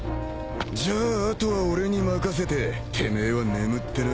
じゃあ後は俺に任せててめえは眠ってな。